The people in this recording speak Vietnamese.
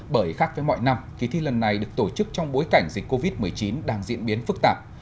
bởi khác với mọi năm kỳ thi lần này được tổ chức trong bối cảnh dịch covid một mươi chín đang diễn biến phức tạp